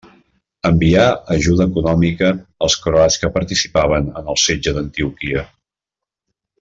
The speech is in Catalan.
Envià ajuda econòmica als croats que participaven en el setge d'Antioquia.